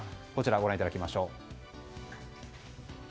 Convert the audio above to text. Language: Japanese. ご覧いただきましょう。